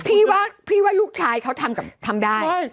พี่ว่าลูกชายเขาทำได้